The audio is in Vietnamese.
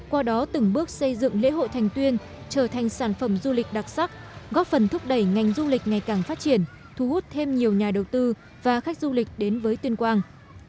qua đó từng bước xây dựng lễ hội thành tuyên trở thành sản phẩm du lịch đặc sắc góp phần thúc đẩy ngành du lịch ngày càng phát triển thu hút thêm nhiều nhà đầu tư và khách du lịch đến với tuyên quang